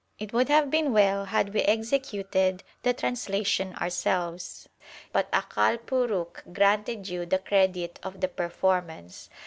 It would have been well, had we executed the translation ourselves ; but Akal Purukh granted you the credit of the performance.